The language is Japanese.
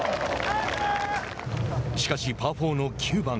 しかしパー４の９番。